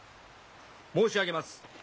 申し上げます。